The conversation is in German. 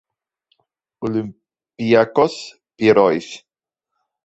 Olympiakos Piräus